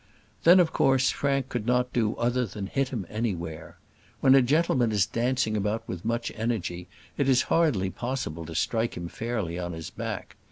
Then of course Frank could not do other than hit him anywhere. When a gentleman is dancing about with much energy it is hardly possible to strike him fairly on his back.